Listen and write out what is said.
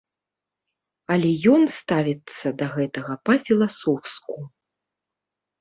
Але ён ставіцца да гэтага па-філасофску.